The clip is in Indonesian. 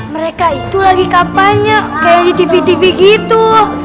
mereka itu lagi kampanye kayak di tv tv gitu